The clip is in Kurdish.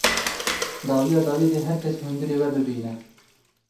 Dawiya dawî dê her kes hundirê we bibîne.